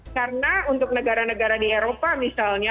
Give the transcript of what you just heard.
karena untuk negara negara di eropa misalnya